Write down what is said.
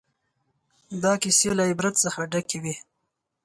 دا کیسې له عبرت څخه ډکې وې.